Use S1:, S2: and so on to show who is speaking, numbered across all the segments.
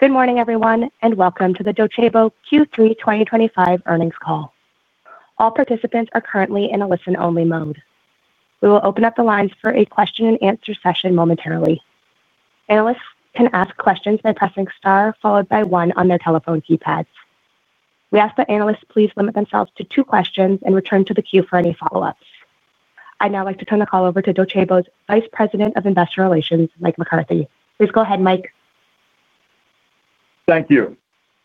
S1: Good morning, everyone, and welcome to the Docebo Q3 2025 Earnings Call. All participants are currently in a listen-only mode. We will open up the lines for a question-and-answer session momentarily. Analysts can ask questions by pressing star followed by one on their telephone keypads. We ask that analysts please limit themselves to two questions and return to the queue for any follow-ups. I'd now like to turn the call over to Docebo's Vice President of Investor Relations, Mike McCarthy. Please go ahead, Mike.
S2: Thank you.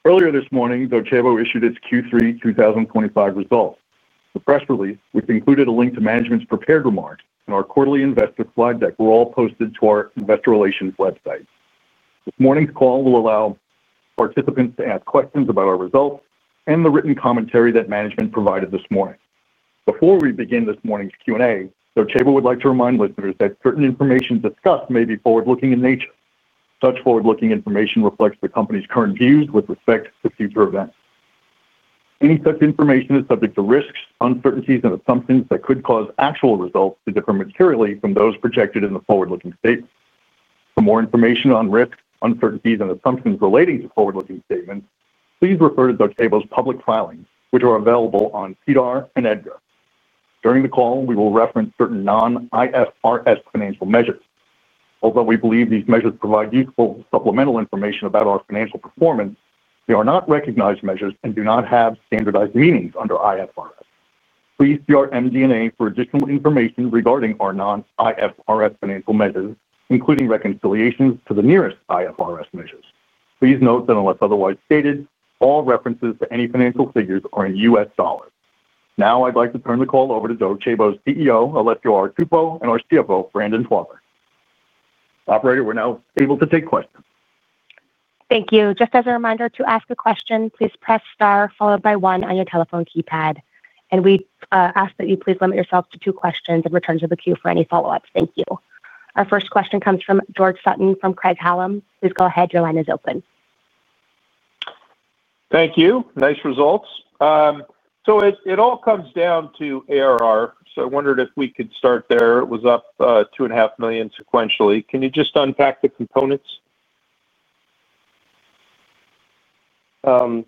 S2: Earlier this morning, Docebo issued its Q3 2025 results. The press release, which included a link to management's prepared remarks and our quarterly investor slide deck, was all posted to our investor relations website. This morning's call will allow participants to ask questions about our results and the written commentary that management provided this morning. Before we begin this morning's Q&A, Docebo would like to remind listeners that certain information discussed may be forward-looking in nature. Such forward-looking information reflects the company's current views with respect to future events. Any such information is subject to risks, uncertainties, and assumptions that could cause actual results to differ materially from those projected in the forward-looking statement. For more information on risks, uncertainties, and assumptions relating to forward-looking statements, please refer to Docebo's public filings, which are available on CDAR and EDGAR. During the call, we will reference certain non-IFRS financial measures. Although we believe these measures provide useful supplemental information about our financial performance, they are not recognized measures and do not have standardized meanings under IFRS. Please see our MD&A for additional information regarding our non-IFRS financial measures, including reconciliations to the nearest IFRS measures. Please note that unless otherwise stated, all references to any financial figures are in US dollars. Now, I'd like to turn the call over to Docebo's CEO, Alessio Artuffo, and our CFO, Brandon Farber. Operator, we're now able to take questions.
S1: Thank you. Just as a reminder to ask a question, please press star followed by one on your telephone keypad. We ask that you please limit yourselves to two questions and return to the queue for any follow-ups. Thank you. Our first question comes from George Sutton from Craig-Hallum. Please go ahead. Your line is open.
S3: Thank you. Nice results. It all comes down to ARR. I wondered if we could start there. It was up $2.5 million sequentially. Can you just unpack the components?
S4: Morning,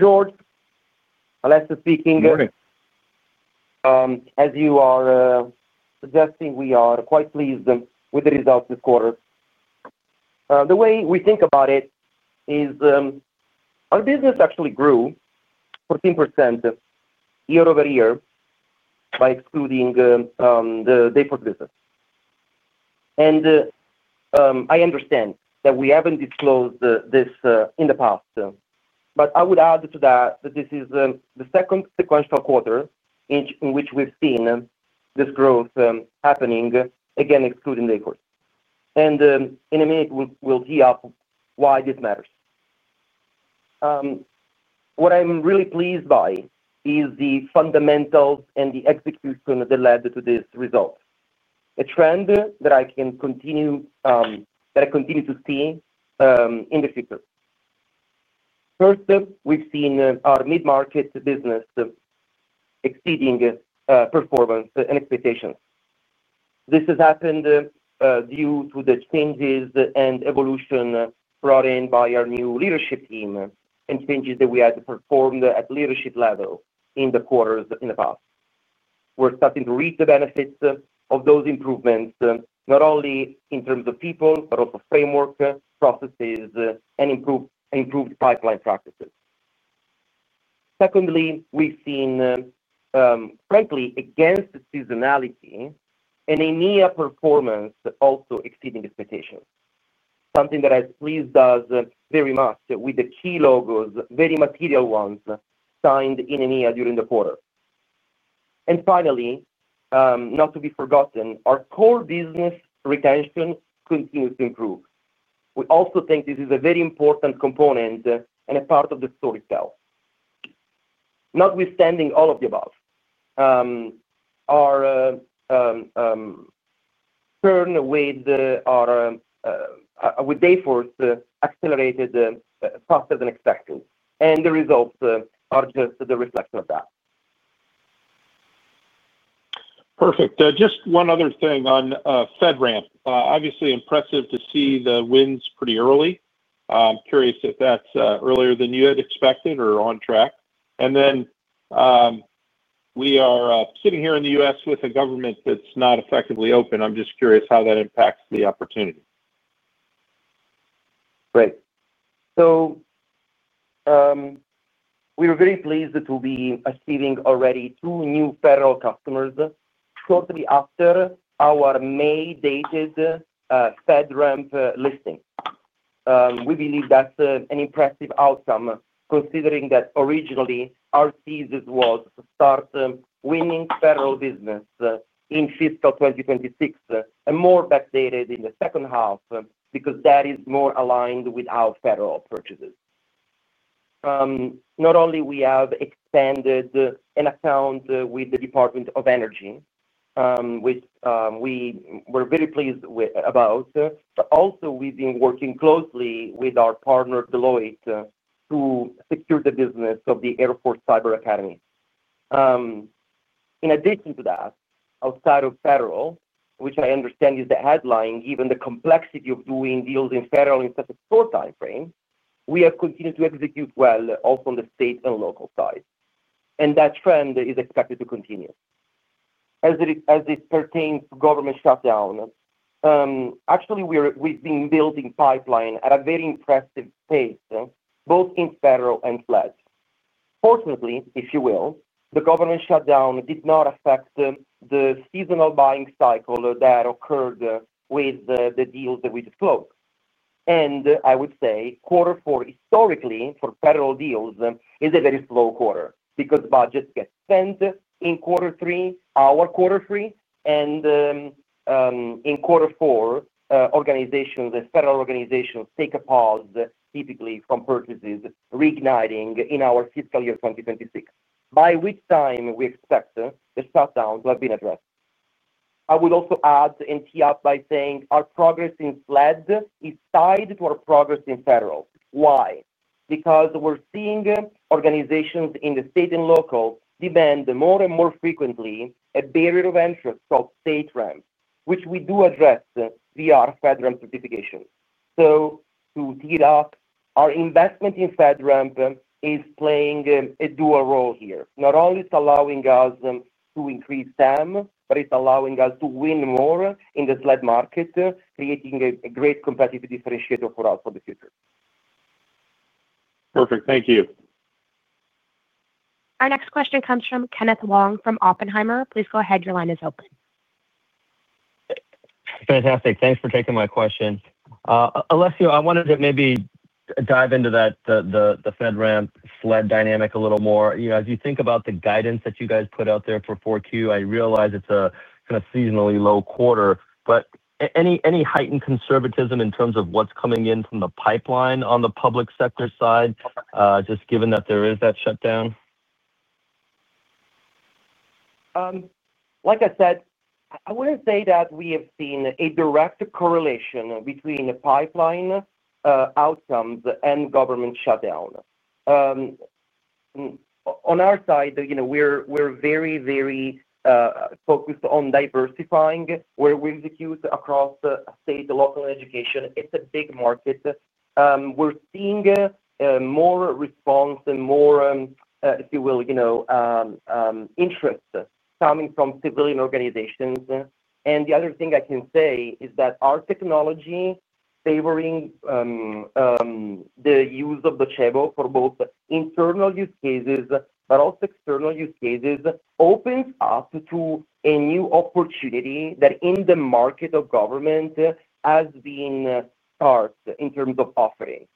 S4: George. Alessio speaking.
S3: Good morning.
S4: As you are suggesting, we are quite pleased with the results this quarter. The way we think about it is our business actually grew 14% year-over-year by excluding the Dayforce business. I understand that we haven't disclosed this in the past, but I would add to that that this is the second sequential quarter in which we've seen this growth happening, again, excluding Dayforce. In a minute, we'll tee up why this matters. What I'm really pleased by is the fundamentals and the execution that led to this result, a trend that I can continue to see in the future. First, we've seen our mid-market business exceeding performance and expectations. This has happened due to the changes and evolution brought in by our new leadership team and changes that we had performed at the leadership level in the quarters in the past. We're starting to reap the benefits of those improvements, not only in terms of people, but also framework, processes, and improved pipeline practices. Secondly, we've seen, frankly, against seasonality, an EMEA performance also exceeding expectations, something that has pleased us very much with the key logos, very material ones, signed in EMEA during the quarter. Finally, not to be forgotten, our core business retention continues to improve. We also think this is a very important component and a part of the storytell. Notwithstanding all of the above, our churn with Dayforce accelerated faster than expected, and the results are just the reflection of that.
S3: Perfect. Just one other thing on FedRAMP. Obviously, impressive to see the wins pretty early. I'm curious if that's earlier than you had expected or on track. We are sitting here in the US with a government that's not effectively open. I'm just curious how that impacts the opportunity.
S4: Great. We were very pleased to be receiving already two new federal customers shortly after our May-dated FedRAMP listing. We believe that's an impressive outcome considering that originally our thesis was to start winning federal business in fiscal 2026 and more backdated in the second half because that is more aligned with our federal purchases. Not only have we expanded an account with the Department of Energy, which we were very pleased about, but also we've been working closely with our partner, Deloitte, to secure the business of the Air Force Cyber Academy. In addition to that, outside of federal, which I understand is the headline, given the complexity of doing deals in federal in such a short time frame, we have continued to execute well also on the state and local side. That trend is expected to continue. As it pertains to government shutdown, actually, we've been building pipeline at a very impressive pace, both in federal and SLED. Fortunately, if you will, the government shutdown did not affect the seasonal buying cycle that occurred with the deals that we disclosed. I would say quarter four, historically, for federal deals, is a very slow quarter because budgets get spent in quarter three, our quarter three, and in quarter four, federal organizations take a pause typically from purchases reigniting in our fiscal year 2026, by which time we expect the shutdown to have been addressed. I would also add and tee up by saying our progress in SLED is tied to our progress in federal. Why? Because we're seeing organizations in the state and local demand more and more frequently a barrier of interest called StateRAMP, which we do address via our FedRAMP certification. To tee it up, our investment in FedRAMP is playing a dual role here. Not only is it allowing us to increase SAM, but it's allowing us to win more in the SLED market, creating a great competitive differentiator for us for the future.
S3: Perfect. Thank you.
S1: Our next question comes from Kenneth Wong from Oppenheimer. Please go ahead. Your line is open.
S5: Fantastic. Thanks for taking my question. Alessio, I wanted to maybe dive into the FedRAMP SLED dynamic a little more. As you think about the guidance that you guys put out there for Q4, I realize it's a kind of seasonally low quarter, but any heightened conservatism in terms of what's coming in from the pipeline on the public sector side, just given that there is that shutdown?
S4: Like I said, I wouldn't say that we have seen a direct correlation between the pipeline outcomes and government shutdown. On our side, we're very, very focused on diversifying where we execute across state and local education. It's a big market. We're seeing more response and more, if you will, interest coming from civilian organizations. The other thing I can say is that our technology favoring the use of Docebo for both internal use cases but also external use cases opens up to a new opportunity that in the market of government has been sparked in terms of offering.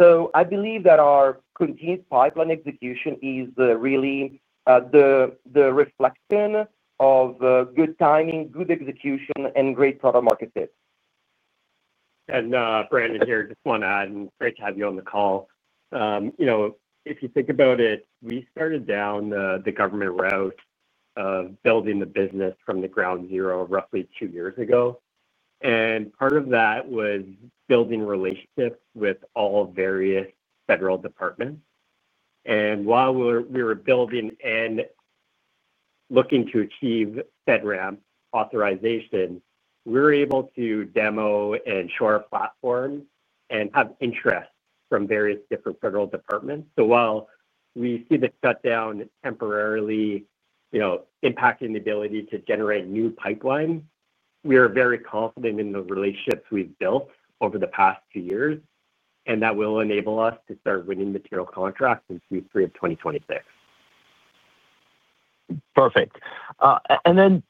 S4: I believe that our continued pipeline execution is really the reflection of good timing, good execution, and great product-market fit.
S6: Brandon here, just want to add, great to have you on the call. If you think about it, we started down the government route of building the business from ground zero roughly two years ago. Part of that was building relationships with all various federal departments. While we were building and looking to achieve FedRAMP authorization, we were able to demo and show our platform and have interest from various different federal departments. While we see the shutdown temporarily impacting the ability to generate new pipelines, we are very confident in the relationships we've built over the past two years, and that will enable us to start winning material contracts in Q3 of 2026.
S5: Perfect.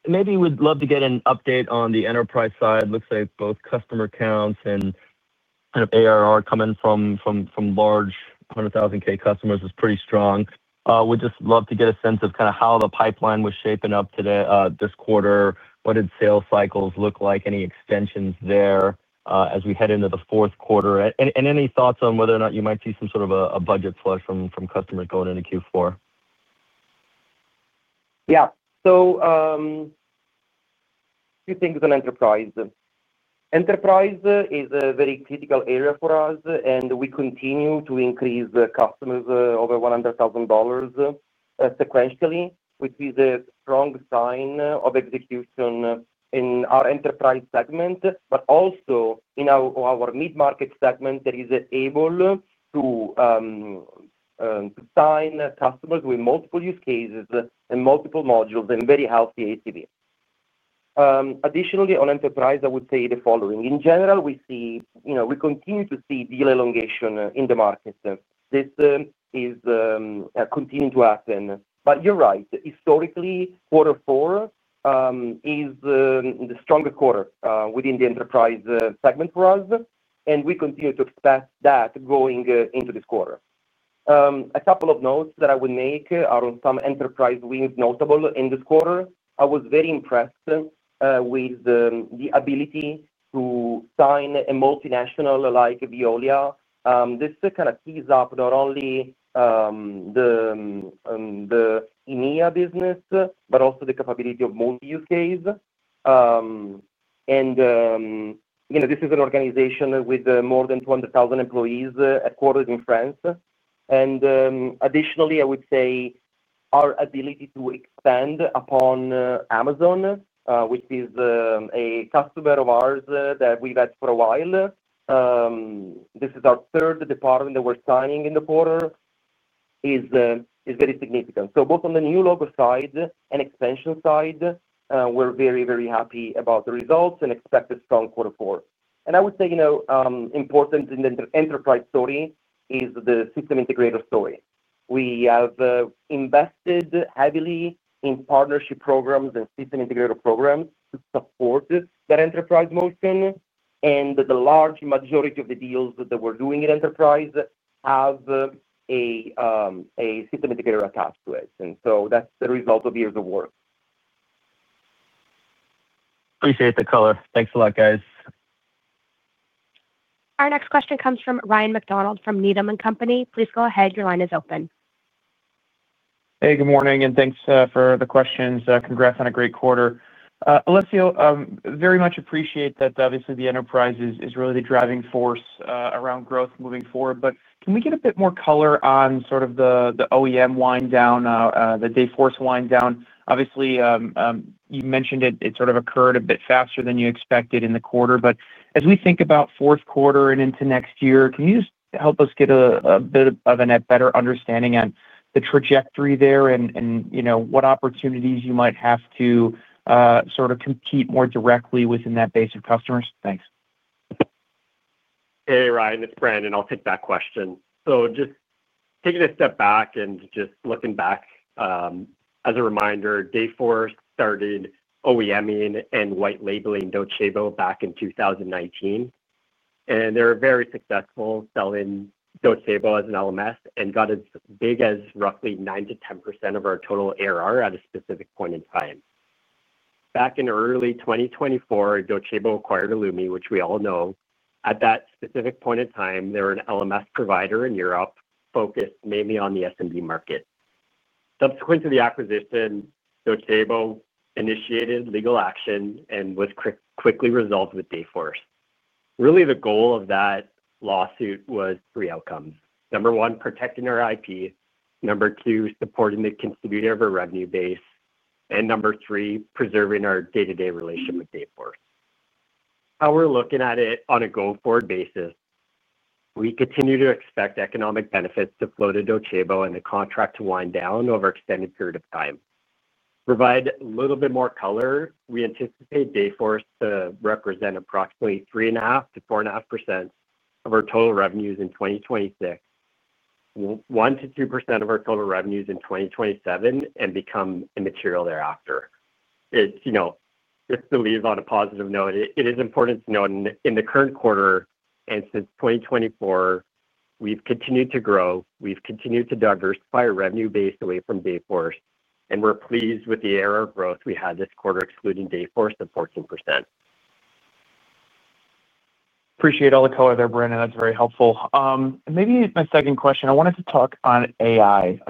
S5: Maybe we'd love to get an update on the enterprise side. It looks like both customer counts and kind of ARR coming from large 100,000 customers is pretty strong. We'd just love to get a sense of kind of how the pipeline was shaping up this quarter. What did sales cycles look like? Any extensions there as we head into the fourth quarter? Any thoughts on whether or not you might see some sort of a budget flush from customers going into Q4?
S4: Yeah. So a few things on enterprise. Enterprise is a very critical area for us, and we continue to increase customers over $100,000 sequentially, which is a strong sign of execution in our enterprise segment, but also in our mid-market segment that is able to sign customers with multiple use cases and multiple modules and very healthy ACV. Additionally, on enterprise, I would say the following. In general, we continue to see deal elongation in the market. This is continuing to happen. You're right. Historically, quarter four is the stronger quarter within the enterprise segment for us, and we continue to expect that going into this quarter. A couple of notes that I would make are on some enterprise wins notable in this quarter. I was very impressed with the ability to sign a multinational like Veolia. This kind of tees up not only the EMEA business, but also the capability of multi-use case. This is an organization with more than 200,000 employees headquartered in France. Additionally, I would say our ability to expand upon Amazon, which is a customer of ours that we've had for a while. This is our third department that we're signing in the quarter, is very significant. Both on the new logo side and expansion side, we're very, very happy about the results and expect a strong quarter four. I would say important in the enterprise story is the system integrator story. We have invested heavily in partnership programs and system integrator programs to support that enterprise motion. The large majority of the deals that we're doing in enterprise have a system integrator attached to it. That's the result of years of work.
S5: Appreciate the color. Thanks a lot, guys.
S1: Our next question comes from Ryan McDonald from Needham & Company. Please go ahead. Your line is open.
S7: Hey, good morning, and thanks for the questions. Congrats on a great quarter. Alessio, very much appreciate that obviously the enterprise is really the driving force around growth moving forward. Can we get a bit more color on sort of the OEM wind down, the Dayforce wind down? Obviously, you mentioned it sort of occurred a bit faster than you expected in the quarter. As we think about fourth quarter and into next year, can you just help us get a bit of a better understanding on the trajectory there and what opportunities you might have to sort of compete more directly within that base of customers? Thanks.
S6: Hey, Ryan, it's Brandon. I'll take that question. Just taking a step back and just looking back, as a reminder, Dayforce started OEM and white labeling Docebo back in 2019. They were very successful selling Docebo as an LMS and got as big as roughly 9%-10 of our total ARR at a specific point in time. Back in early 2024, Docebo acquired Aloom, which we all know. At that specific point in time, they were an LMS provider in Europe focused mainly on the SMB market. Subsequent to the acquisition, Docebo initiated legal action and was quickly resolved with Dayforce. Really, the goal of that lawsuit was three outcomes. Number one, protecting our IP. Number two, supporting the contributor of our revenue base. Number three, preserving our day-to-day relation with Dayforce. How we're looking at it on a go-forward basis, we continue to expect economic benefits to flow to Docebo and the contract to wind down over an extended period of time. To provide a little bit more color, we anticipate Dayforce to represent approximately 3.5%-4.5 of our total revenues in 2026, 1%-2 of our total revenues in 2027, and become immaterial thereafter. Just to leave on a positive note, it is important to note in the current quarter and since 2024, we've continued to grow. We've continued to diversify our revenue base away from Dayforce, and we're pleased with the ARR growth we had this quarter, excluding Dayforce of 14%.
S7: Appreciate all the color there, Brandon. That's very helpful. Maybe my second question. I wanted to talk on AI.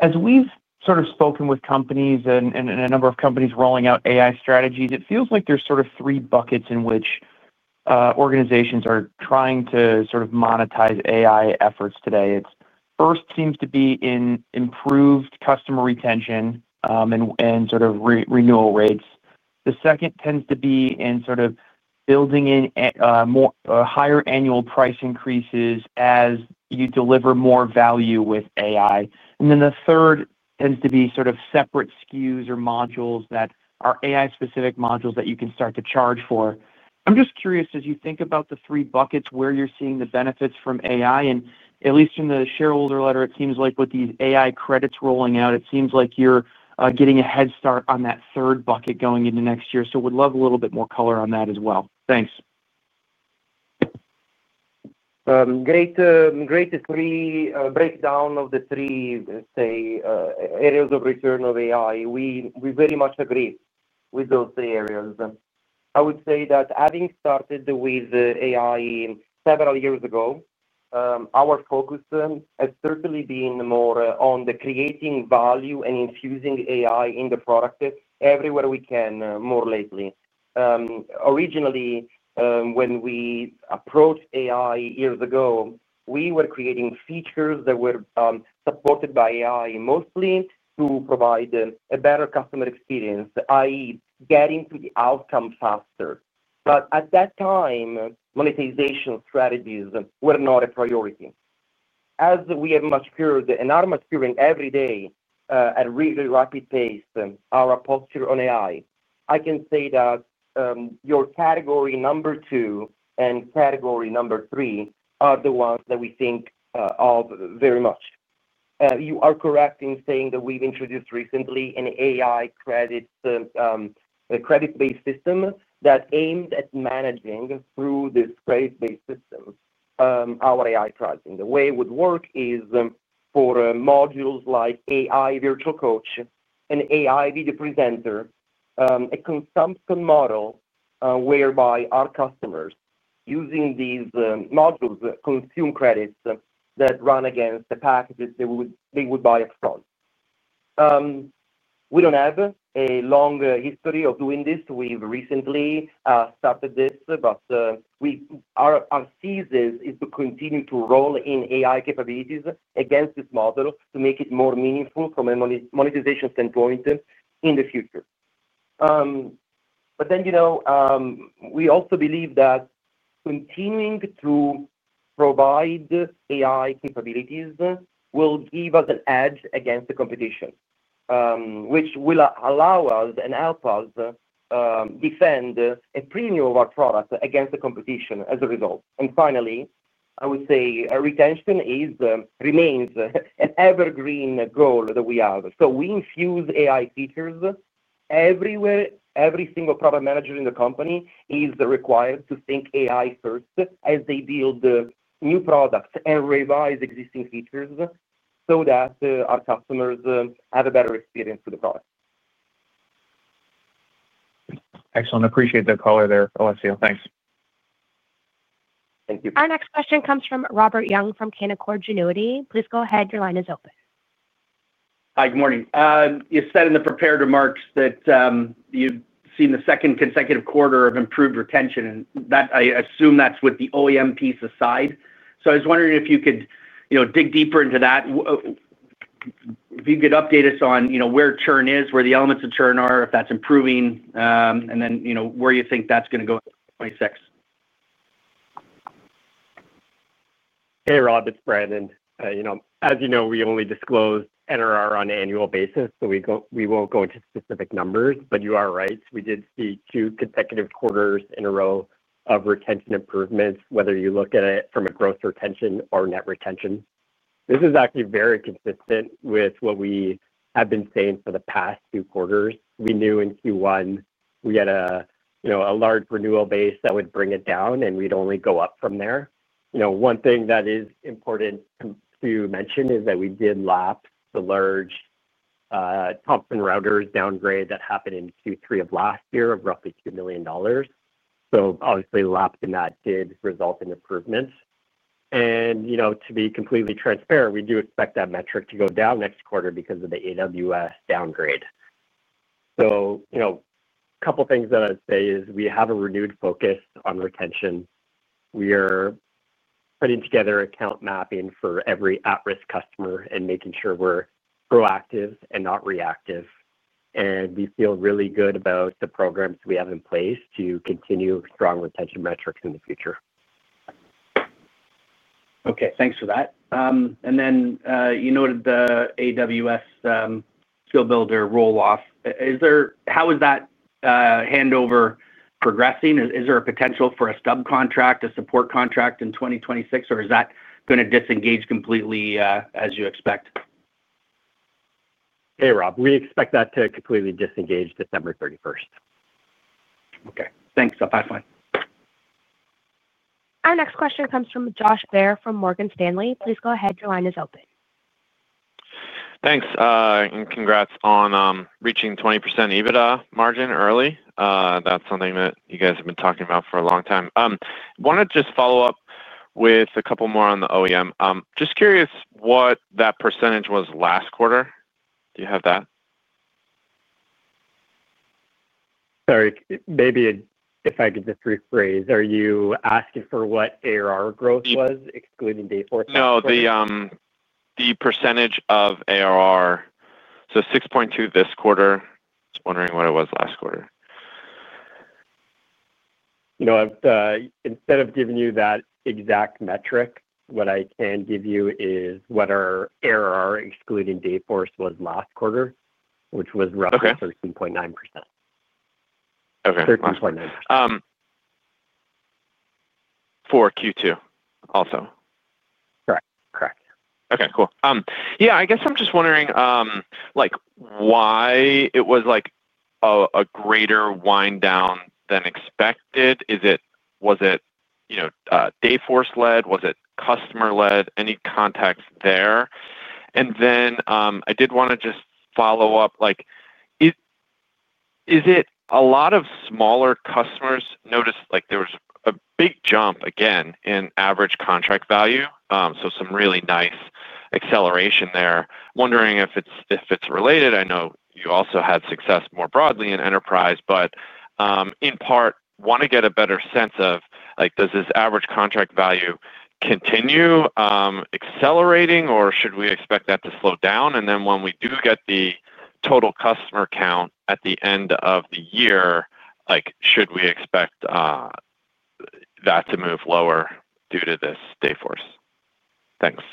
S7: As we've sort of spoken with companies and a number of companies rolling out AI strategies, it feels like there's sort of three buckets in which organizations are trying to sort of monetize AI efforts today. First seems to be in improved customer retention and sort of renewal rates. The second tends to be in sort of building in higher annual price increases as you deliver more value with AI. And then the third tends to be sort of separate SKUs or modules that are AI-specific modules that you can start to charge for. I'm just curious, as you think about the three buckets, where you're seeing the benefits from AI? At least in the shareholder letter, it seems like with these AI credits rolling out, it seems like you're getting a head start on that third bucket going into next year. We'd love a little bit more color on that as well. Thanks.
S4: Great breakdown of the three, say, areas of return of AI. We very much agree with those three areas. I would say that having started with AI several years ago, our focus has certainly been more on creating value and infusing AI in the product everywhere we can more lately. Originally, when we approached AI years ago, we were creating features that were supported by AI mostly to provide a better customer experience, i.e., getting to the outcome faster. At that time, monetization strategies were not a priority. As we have matured and are maturing every day at a really rapid pace, our posture on AI, I can say that your category number two and category number three are the ones that we think of very much. You are correct in saying that we've introduced recently an AI credit-based system that aims at managing through this credit-based system our AI pricing. The way it would work is for modules like AI Virtual Coach, an AI Video Presenter, a consumption model whereby our customers using these modules consume credits that run against the packages they would buy upfront. We do not have a long history of doing this. We've recently started this, but our thesis is to continue to roll in AI capabilities against this model to make it more meaningful from a monetization standpoint in the future. We also believe that continuing to provide AI capabilities will give us an edge against the competition, which will allow us and help us defend a premium of our product against the competition as a result. Finally, I would say retention remains an evergreen goal that we have. We infuse AI features everywhere. Every single product manager in the company is required to think AI first as they build new products and revise existing features so that our customers have a better experience with the product.
S7: Excellent. Appreciate the color there, Alessio. Thanks.
S4: Thank you.
S1: Our next question comes from Robert Young from Canaccord Genuity. Please go ahead. Your line is open.
S8: Hi, good morning. You said in the prepared remarks that you'd seen the second consecutive quarter of improved retention. I assume that's with the OEM piece aside. I was wondering if you could dig deeper into that, if you could update us on where churn is, where the elements of churn are, if that's improving, and then where you think that's going to go in 2026.
S6: Hey, Rob, it's Brandon. As you know, we only disclose NRR on an annual basis, so we won't go into specific numbers. You are right. We did see two consecutive quarters in a row of retention improvements, whether you look at it from a gross retention or net retention. This is actually very consistent with what we have been saying for the past two quarters. We knew in Q1 we had a large renewal base that would bring it down, and we'd only go up from there. One thing that is important to mention is that we did lapse the large Thomson Reuters downgrade that happened in Q3 of last year of roughly $2 million. Obviously, lapsing that did result in improvements. To be completely transparent, we do expect that metric to go down next quarter because of the AWS downgrade. A couple of things that I'd say is we have a renewed focus on retention. We are putting together account mapping for every at-risk customer and making sure we're proactive and not reactive. We feel really good about the programs we have in place to continue strong retention metrics in the future.
S8: Okay. Thanks for that. You noted the AWS Skill Builder roll-off. How is that handover progressing? Is there a potential for a subcontract, a support contract in 2026, or is that going to disengage completely as you expect?
S6: Hey, Rob. We expect that to completely disengage 31 December.
S3: Okay. Thanks. That's fine.
S1: Our next question comes from Josh Baer from Morgan Stanley. Please go ahead. Your line is open.
S9: Thanks. Congrats on reaching 20% EBITDA margin early. That is something that you guys have been talking about for a long time. I want to just follow up with a couple more on the OEM. Just curious what that percentage was last quarter. Do you have that?
S6: Sorry. Maybe if I could just rephrase. Are you asking for what ARR growth was, excluding Dayforce?
S9: No, the percentage of ARR. So 6.2% this quarter. Just wondering what it was last quarter.
S6: Instead of giving you that exact metric, what I can give you is what our ARR, excluding Dayforce, was last quarter, which was roughly 13.9%.
S9: Okay. For Q2 also.
S6: Correct. Correct.
S9: Okay. Cool. Yeah. I guess I'm just wondering why it was a greater wind down than expected. Was it Dayforce-led? Was it customer-led? Any context there? I did want to just follow up. Is it a lot of smaller customers? Noticed there was a big jump again in average contract value. Some really nice acceleration there. Wondering if it's related. I know you also had success more broadly in enterprise, but in part, want to get a better sense of does this average contract value continue accelerating, or should we expect that to slow down? When we do get the total customer count at the end of the year, should we expect that to move lower due to this Dayforce? Thanks.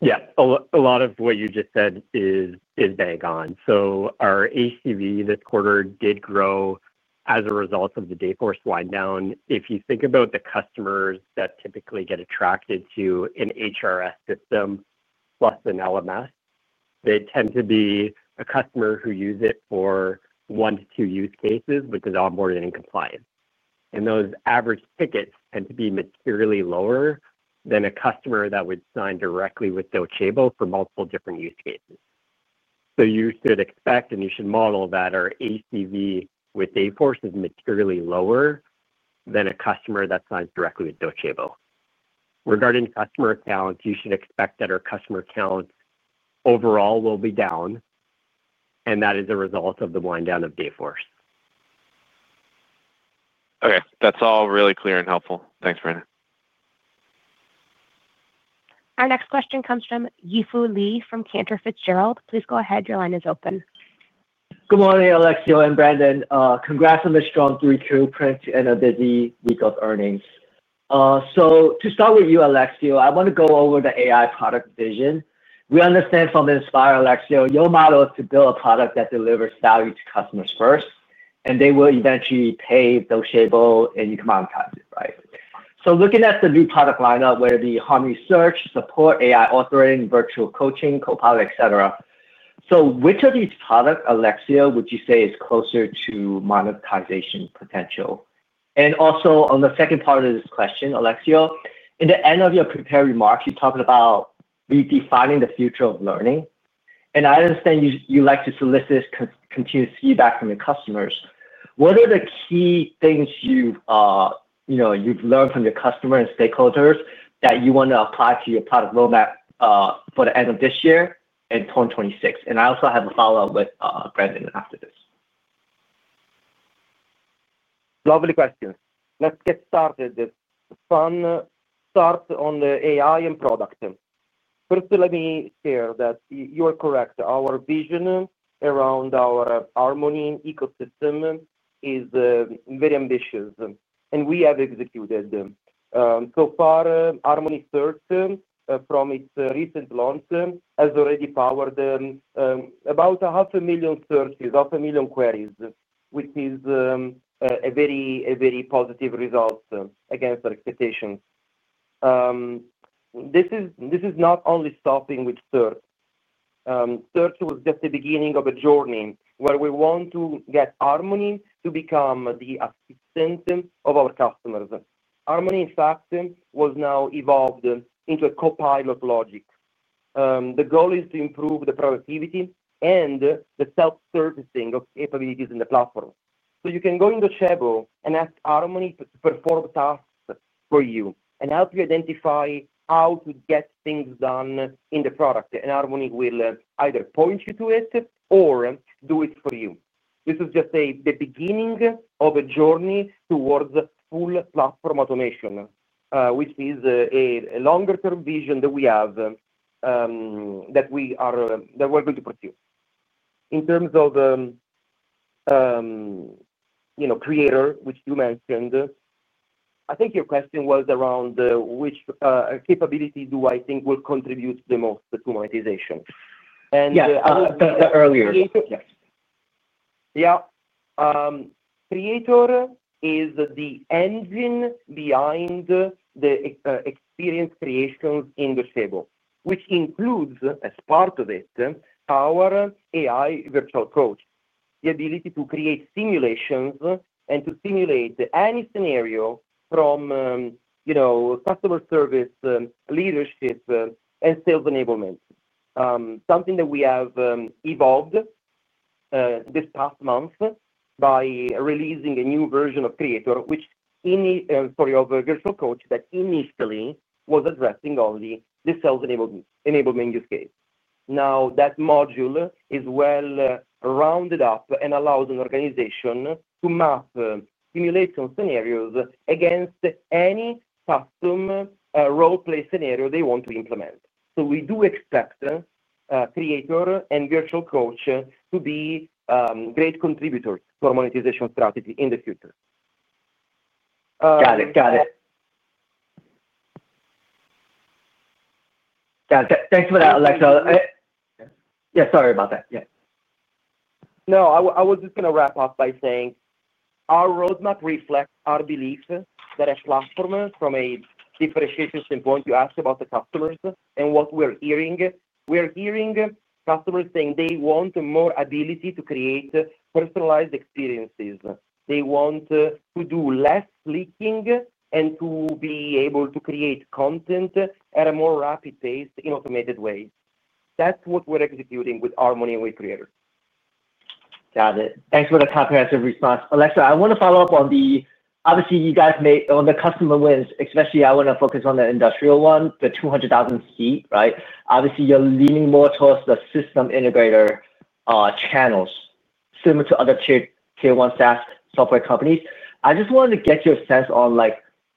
S6: Yeah. A lot of what you just said is vague on. Our ACV this quarter did grow as a result of the Dayforce wind down. If you think about the customers that typically get attracted to an HRS system plus an LMS, they tend to be a customer who uses it for one to two use cases because of onboarding and compliance. Those average tickets tend to be materially lower than a customer that would sign directly with Docebo for multiple different use cases. You should expect and you should model that our ACV with Dayforce is materially lower than a customer that signs directly with Docebo. Regarding customer accounts, you should expect that our customer accounts overall will be down, and that is a result of the wind down of Dayforce.
S9: Okay. That's all really clear and helpful. Thanks, Brandon.
S1: Our next question comes from Yi Fu Lee from Cantor Fitzgerald. Please go ahead. Your line is open.
S10: Good morning, Alessio and Brandon. Congrats on the strong Q2 print and a busy week of earnings. To start with you, Alessio, I want to go over the AI product vision. We understand from the Inspire, Alessio, your model is to build a product that delivers value to customers first, and they will eventually pay Docebo and you can monetize it, right? Looking at the new product lineup, whether it be Harmony Search, Support, AI Authoring, Virtual Coaching, Copilot, etc., which of these products, Alessio, would you say is closer to monetization potential? Also, on the second part of this question, Alessio, in the end of your prepared remarks, you talked about redefining the future of learning. I understand you like to solicit continuous feedback from your customers. What are the key things you've learned from your customers and stakeholders that you want to apply to your product roadmap for the end of this year and 2026? I also have a follow-up with Brandon after this.
S4: Lovely question. Let's get started with a fun start on the AI and product. First, let me share that you are correct. Our vision around our Harmony ecosystem is very ambitious, and we have executed them. So far, Harmony Search, from its recent launch, has already powered about 500,000 searches, 500,000 queries, which is a very positive result against our expectations. This is not only stopping with Search. Search was just the beginning of a journey where we want to get Harmony to become the assistant of our customers. Harmony, in fact, has now evolved into a Copilot logic. The goal is to improve the productivity and the self-servicing of capabilities in the platform. You can go into Docebo and ask Harmony to perform tasks for you and help you identify how to get things done in the product. Harmony will either point you to it or do it for you. This is just the beginning of a journey towards full platform automation, which is a longer-term vision that we have that we are going to pursue. In terms of Creator, which you mentioned, I think your question was around which capability do I think will contribute the most to monetization.
S10: Yeah. I was there earlier. Yes.
S4: Yeah. Creator is the engine behind the experience creations in Docebo, which includes, as part of it, our AI Virtual Coach, the ability to create simulations and to simulate any scenario from customer service, leadership, and sales enablement. Something that we have evolved this past month by releasing a new version of Creator, sorry, of Virtual Coach that initially was addressing only the sales enablement use case. Now, that module is well rounded up and allows an organization to map simulation scenarios against any custom role-play scenario they want to implement. We do expect Creator and Virtual Coach to be great contributors for monetization strategy in the future.
S10: Got it. Thanks for that, Alessio. Yeah. Sorry about that. Yeah.
S4: No, I was just going to wrap up by saying our roadmap reflects our belief that as platformers, from a differentiation standpoint, you asked about the customers and what we're hearing. We're hearing customers saying they want more ability to create personalized experiences. They want to do less leaking and to be able to create content at a more rapid pace in automated ways. That's what we're executing with Harmony and with Creator.
S10: Got it. Thanks for the comprehensive response. Alessio, I want to follow up on the obviously, you guys made on the customer wins, especially I want to focus on the industrial one, the 200,000 seat, right? Obviously, you're leaning more towards the system integrator channels, similar to other Tier 1 SaaS software companies. I just wanted to get your sense on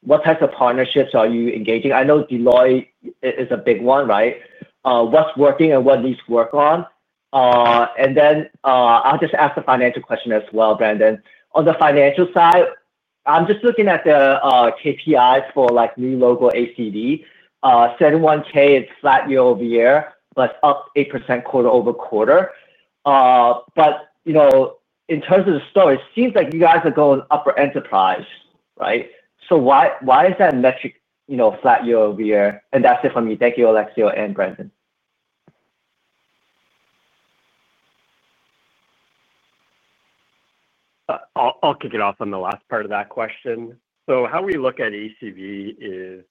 S10: what types of partnerships are you engaging? I know Deloitte is a big one, right? What's working and what needs work on? I'll just ask the financial question as well, Brandon. On the financial side, I'm just looking at the KPIs for new local ACV. $71,000 is SLED year- over-year, but up 8% quarter-over-quarter. In terms of the story, it seems like you guys are going upper enterprise, right? Why is that metric SLED year-over-year? That's it from me. Thank you, Alessio and Brandon.
S6: I'll kick it off on the last part of that question. How we look at ACV is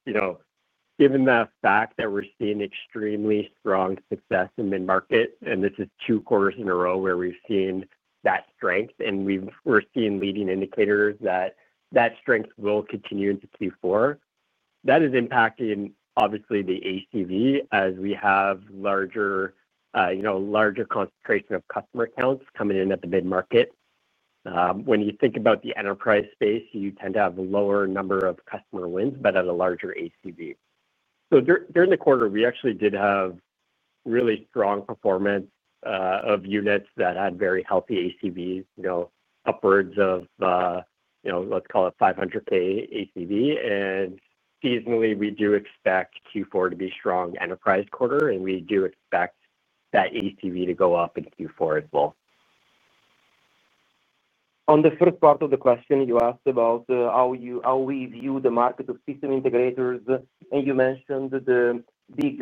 S6: given the fact that we're seeing extremely strong success in mid-market, and this is two quarters in a row where we've seen that strength, and we're seeing leading indicators that that strength will continue into Q4. That is impacting, obviously, the ACV as we have a larger concentration of customer accounts coming in at the mid-market. When you think about the enterprise space, you tend to have a lower number of customer wins, but at a larger ACV. During the quarter, we actually did have really strong performance of units that had very healthy ACVs, upwards of, let's call it, $500,000 ACV. Seasonally, we do expect Q4 to be a strong enterprise quarter, and we do expect that ACV to go up in Q4 as well.
S4: On the first part of the question, you asked about how we view the market of system integrators, and you mentioned the big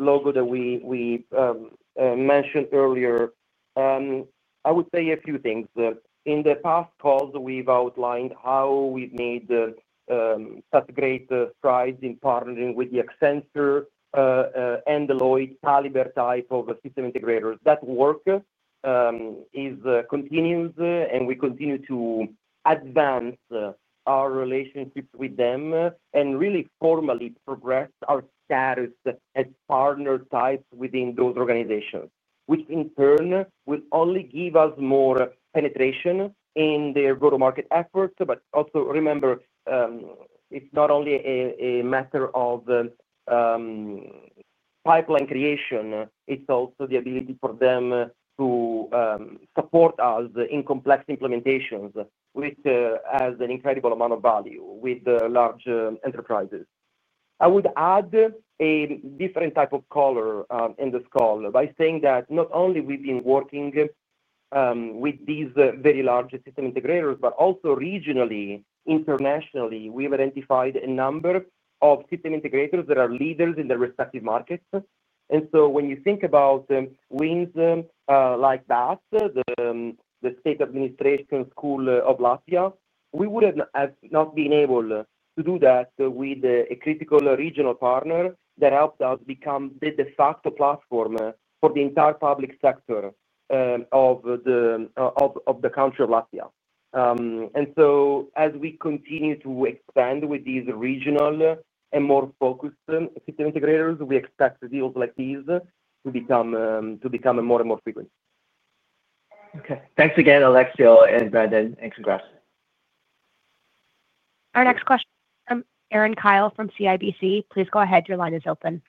S4: logo that we mentioned earlier. I would say a few things. In the past calls, we've outlined how we've made such great strides in partnering with the Accenture and Deloitte caliber type of system integrators. That work continues, and we continue to advance our relationships with them and really formally progress our status as partner types within those organizations, which in turn will only give us more penetration in their go-to-market efforts. Also, remember, it's not only a matter of pipeline creation. It's also the ability for them to support us in complex implementations, which has an incredible amount of value with large enterprises. I would add a different type of color in this call by saying that not only have we been working with these very large system integrators, but also regionally, internationally, we've identified a number of system integrators that are leaders in their respective markets. When you think about wins like that, the State Administration School of Latvia, we would have not been able to do that with a critical regional partner that helped us become the de facto platform for the entire public sector of the country of Latvia. As we continue to expand with these regional and more focused system integrators, we expect deals like these to become more and more frequent.
S10: Okay. Thanks again, Alessio and Brandon. Congrats.
S1: Our next question from Erin Kyle from CIBC. Please go ahead. Your line is open.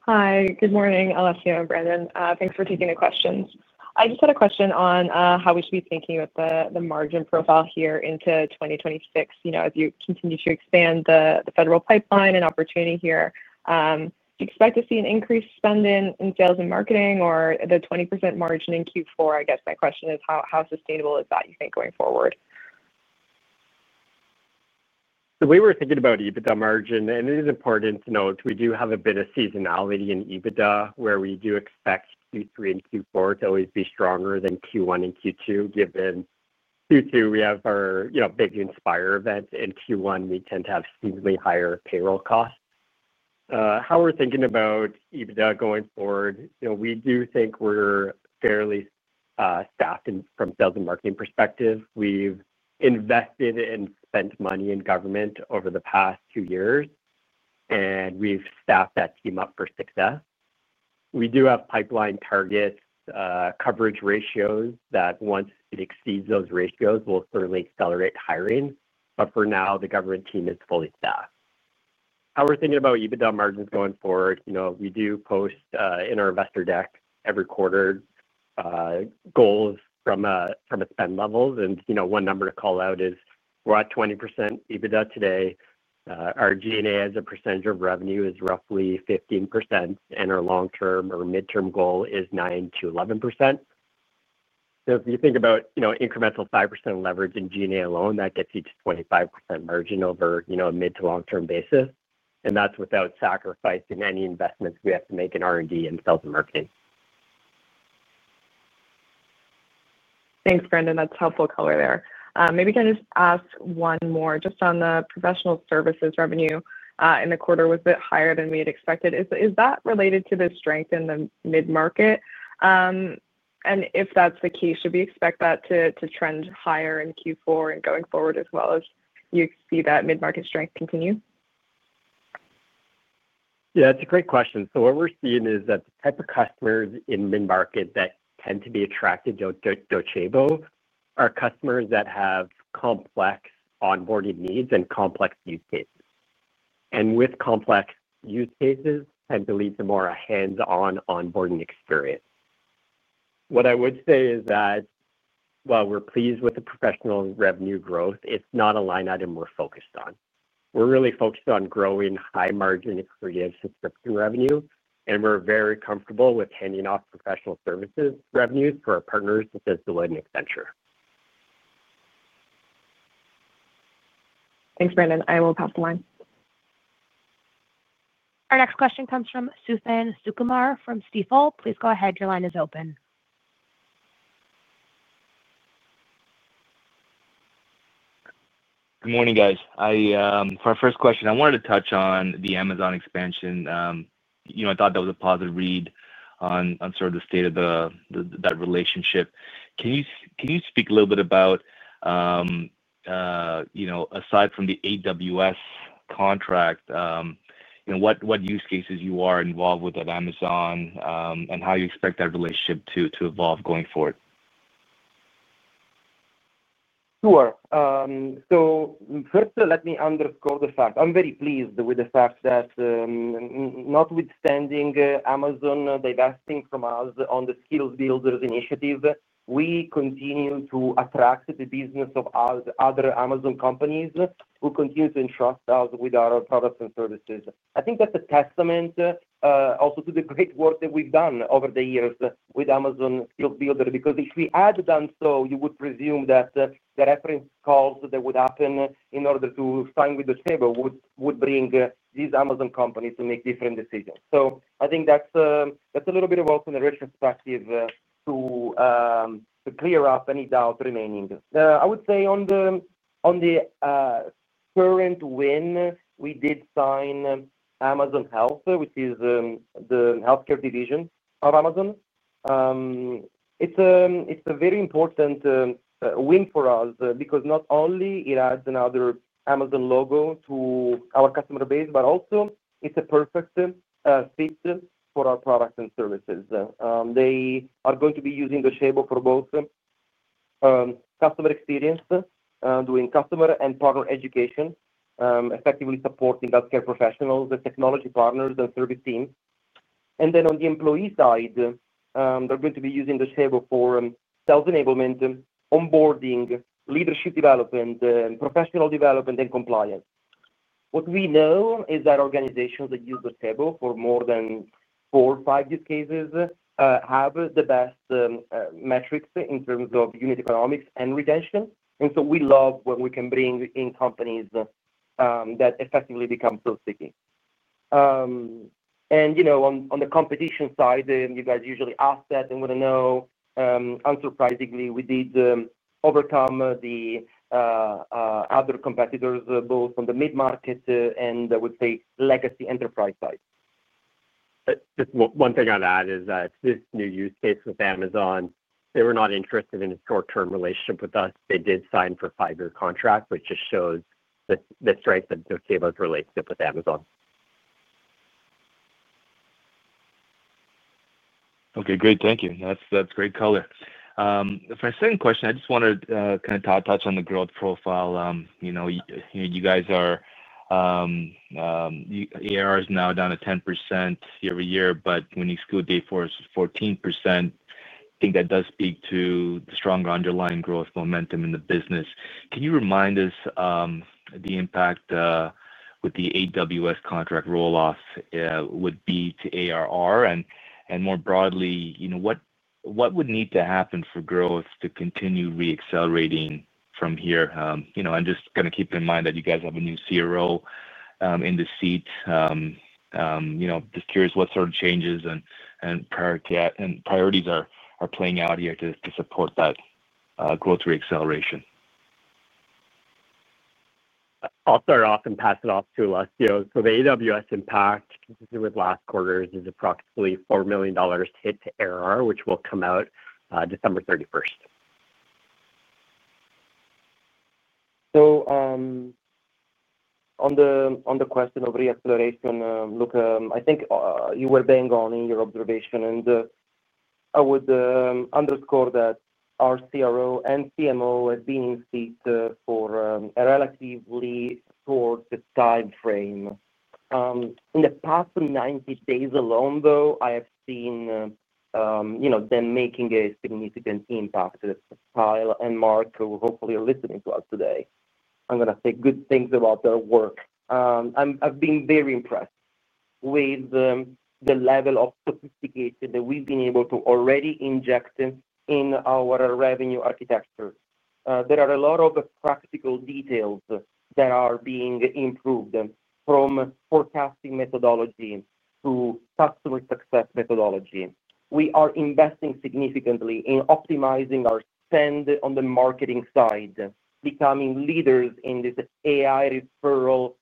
S11: Hi. Good morning, Alessio and Brandon. Thanks for taking the questions. I just had a question on how we should be thinking about the margin profile here into 2026 as you continue to expand the federal pipeline and opportunity here. Do you expect to see an increased spend in sales and marketing or the 20% margin in Q4? I guess my question is, how sustainable is that, you think, going forward?
S6: We were thinking about EBITDA margin, and it is important to note we do have a bit of seasonality in EBITDA where we do expect Q3 and Q4 to always be stronger than Q1 and Q2. Given Q2, we have our big Inspire event, and Q1, we tend to have significantly higher payroll costs. How we're thinking about EBITDA going forward, we do think we're fairly staffed from a sales and marketing perspective. We've invested and spent money in government over the past two years, and we've staffed that team up for success. We do have pipeline targets, coverage ratios that once it exceeds those ratios, we'll certainly accelerate hiring. For now, the government team is fully staffed. How we're thinking about EBITDA margins going forward, we do post in our investor deck every quarter goals from spend levels. One number to call out is we're at 20% EBITDA today. Our G&A as a percentage of revenue is roughly 15%, and our long-term or mid-term goal is 9%-11. If you think about incremental 5% leverage in G&A alone, that gets you to 25% margin over a mid to long-term basis. That is without sacrificing any investments we have to make in R&D and sales and marketing.
S11: Thanks, Brandon. That's helpful color there. Maybe can I just ask one more? Just on the professional services revenue, in the quarter, it was a bit higher than we had expected. Is that related to the strength in the mid-market? If that's the case, should we expect that to trend higher in Q4 and going forward as well as you see that mid-market strength continue?
S6: Yeah. It's a great question. What we're seeing is that the type of customers in mid-market that tend to be attracted to Docebo are customers that have complex onboarding needs and complex use cases. With complex use cases, tend to lead to more of a hands-on onboarding experience. What I would say is that while we're pleased with the professional revenue growth, it's not a line item we're focused on. We're really focused on growing high-margin and creative subscription revenue, and we're very comfortable with handing off professional services revenues for our partners such as Deloitte and Accenture.
S11: Thanks, Brandon. I will pass the line.
S1: Our next question comes from Suthan Sukumar from Stifel. Please go ahead. Your line is open.
S12: Good morning, guys. For our first question, I wanted to touch on the Amazon expansion. I thought that was a positive read on sort of the state of that relationship. Can you speak a little bit about, aside from the AWS contract, what use cases you are involved with at Amazon and how you expect that relationship to evolve going forward?
S4: Sure. First, let me underscore the fact. I'm very pleased with the fact that notwithstanding Amazon divesting from us on the Skills Builders initiative, we continue to attract the business of other Amazon companies who continue to entrust us with our products and services. I think that's a testament also to the great work that we've done over the years with Amazon Skills Builders because if we had done so, you would presume that the reference calls that would happen in order to sign with Docebo would bring these Amazon companies to make different decisions. I think that's a little bit of also in retrospective to clear up any doubt remaining. I would say on the current win, we did sign Amazon Health, which is the healthcare division of Amazon. It's a very important win for us because not only it adds another Amazon logo to our customer base, but also it's a perfect fit for our products and services. They are going to be using Docebo for both customer experience, doing customer and partner education, effectively supporting healthcare professionals, the technology partners, and service teams. On the employee side, they're going to be using Docebo for sales enablement, onboarding, leadership development, professional development, and compliance. What we know is that organizations that use Docebo for more than four or five use cases have the best metrics in terms of unit economics and retention. We love when we can bring in companies that effectively become so sticky. On the competition side, you guys usually ask that and want to know. Unsurprisingly, we did overcome the other competitors, both on the mid-market and, I would say, legacy enterprise side.
S6: Just one thing I'll add is that this new use case with Amazon, they were not interested in a short-term relationship with us. They did sign for a five-year contract, which just shows the strength of Docebo's relationship with Amazon.
S12: Okay. Great. Thank you. That's great color. For my second question, I just wanted to kind of touch on the growth profile. You guys, ARR is now down to 10% year-over-year, but when you exclude the 14%, I think that does speak to the stronger underlying growth momentum in the business. Can you remind us the impact with the AWS contract rolloff would be to ARR? And more broadly, what would need to happen for growth to continue re-accelerating from here? I'm just going to keep in mind that you guys have a new CRO in the seat. Just curious what sort of changes and priorities are playing out here to support that growth re-acceleration.
S6: I'll start off and pass it off to Alessio. The AWS impact consistent with last quarter is approximately $4 million hit to ARR, which will come out 31st December.
S4: On the question of re-acceleration, Suthan, I think you were bang on in your observation, and I would underscore that our CRO and CMO have been in seat for a relatively short time frame. In the past 90 days alone, though, I have seen them making a significant impact. Kyle and Mark, who are hopefully listening to us today, I'm going to say good things about their work. I've been very impressed with the level of sophistication that we've been able to already inject in our revenue architecture. There are a lot of practical details that are being improved from forecasting methodology to customer success methodology. We are investing significantly in optimizing our spend on the marketing side, becoming leaders in this AI referral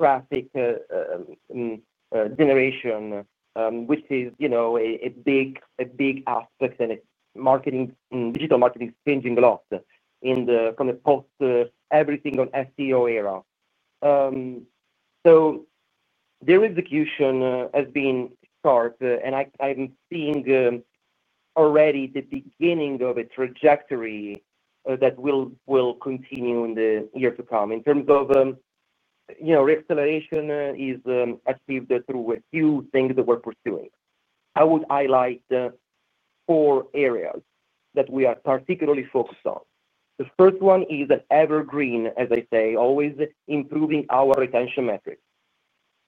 S4: traffic generation, which is a big aspect, and digital marketing is changing a lot from the post-everything on SEO era. Their execution has been sharp, and I'm seeing already the beginning of a trajectory that will continue in the year to come. In terms of re-acceleration, it is achieved through a few things that we're pursuing. I would highlight four areas that we are particularly focused on. The first one is an evergreen, as I say, always improving our retention metrics.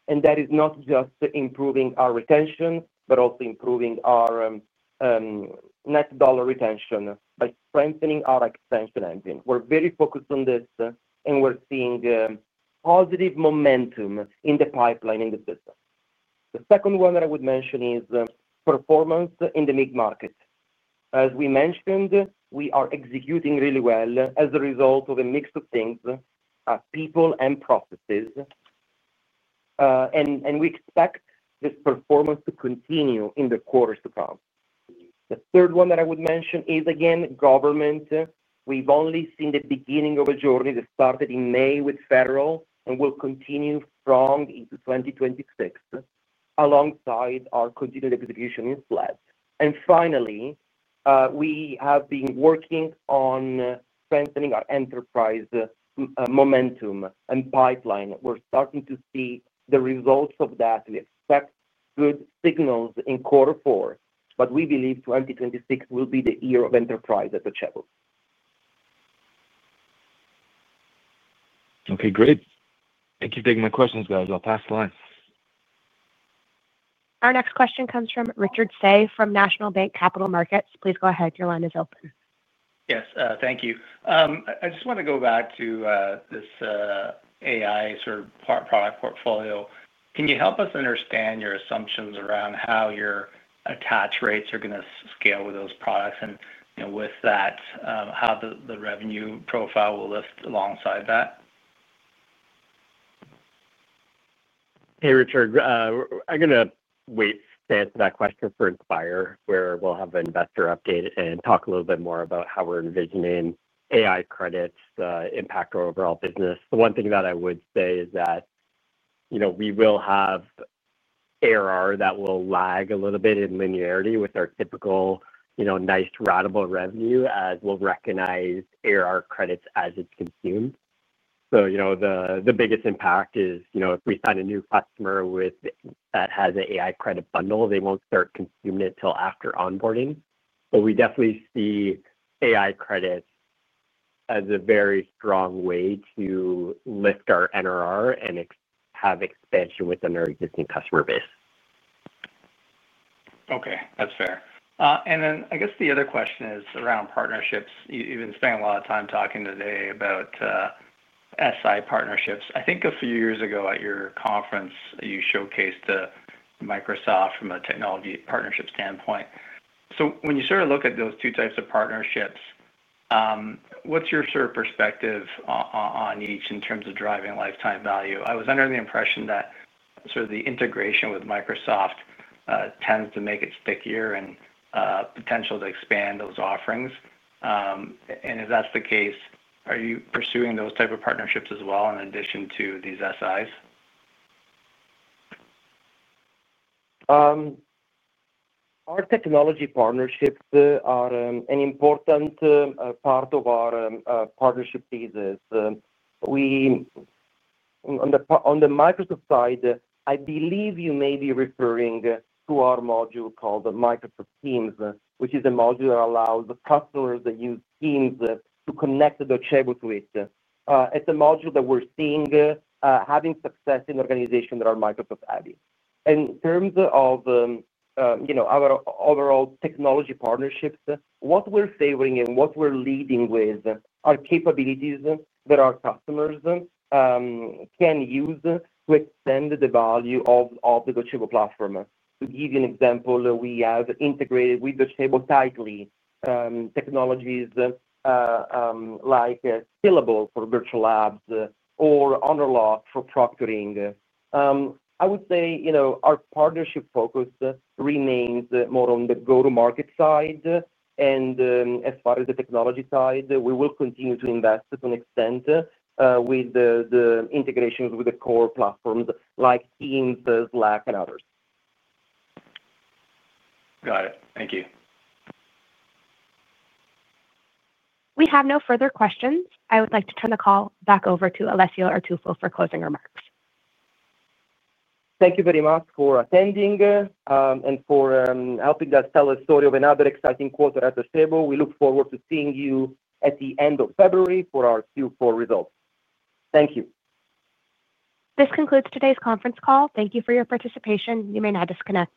S4: That is not just improving our retention, but also improving our net dollar retention by strengthening our extension engine. We're very focused on this, and we're seeing positive momentum in the pipeline in the system. The second one that I would mention is performance in the mid-market. As we mentioned, we are executing really well as a result of a mix of things, people, and processes, and we expect this performance to continue in the quarters to come. The third one that I would mention is, again, government. We've only seen the beginning of a journey that started in May with federal and will continue strong into 2026 alongside our continued execution in SLED. Finally, we have been working on strengthening our enterprise momentum and pipeline. We're starting to see the results of that. We expect good signals in quarter four, but we believe 2026 will be the year of enterprise at Docebo.
S12: Okay. Great. Thank you for taking my questions, guys. I'll pass the line.
S1: Our next question comes from Richard Tse from National Bank. Please go ahead. Your line is open.
S13: Yes. Thank you. I just want to go back to this AI sort of product portfolio. Can you help us understand your assumptions around how your attach rates are going to scale with those products? With that, how the revenue profile will lift alongside that?
S6: Hey, Richard. I'm going to wait to answer that question for Inspire, where we'll have an investor update and talk a little bit more about how we're envisioning AI credits' impact overall business. The one thing that I would say is that we will have ARR that will lag a little bit in linearity with our typical nice radical revenue, as we'll recognize ARR credits as it's consumed. The biggest impact is if we find a new customer that has an AI credit bundle, they won't start consuming it until after onboarding. We definitely see AI credits as a very strong way to lift our NRR and have expansion within our existing customer base.
S13: Okay. That's fair. I guess the other question is around partnerships. You've been spending a lot of time talking today about SI partnerships. I think a few years ago at your conference, you showcased Microsoft from a technology partnership standpoint. When you sort of look at those two types of partnerships, what's your sort of perspective on each in terms of driving lifetime value? I was under the impression that sort of the integration with Microsoft tends to make it stickier and potential to expand those offerings. If that's the case, are you pursuing those types of partnerships as well in addition to these SIs?
S4: Our technology partnerships are an important part of our partnership pieces. On the Microsoft side, I believe you may be referring to our module called Microsoft Teams, which is a module that allows customers that use Teams to connect to Docebo Suite. It's a module that we're seeing having success in organizations that are Microsoft-heavy. In terms of our overall technology partnerships, what we're favoring and what we're leading with are capabilities that our customers can use to extend the value of the Docebo platform. To give you an example, we have integrated with Docebo tightly technologies like Skillable for virtual labs or HonorLock for proctoring. I would say our partnership focus remains more on the go-to-market side. As far as the technology side, we will continue to invest to an extent with the integrations with the core platforms like Teams, Slack, and others.
S13: Got it. Thank you.
S1: We have no further questions. I would like to turn the call back over to Alessio Artuffo for closing remarks.
S4: Thank you very much for attending and for helping us tell a story of another exciting quarter at Docebo. We look forward to seeing you at the end of February for our Q4 results. Thank you.
S1: This concludes today's conference call. Thank you for your participation. You may now disconnect.